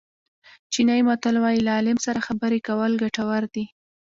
چینایي متل وایي له عالم سره خبرې کول ګټور دي.